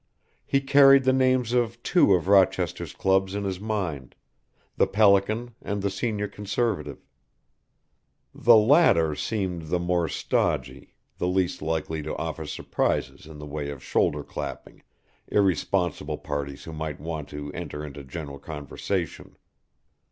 He carried the names of two of Rochester's clubs in his mind, the Pelican and the Senior Conservative. The latter seemed the more stodgy, the least likely to offer surprises in the way of shoulder clapping, irresponsible parties who might want to enter into general conversation.